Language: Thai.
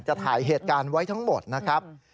ถ่ายเหตุการณ์ไว้ทั้งหมดนะครับ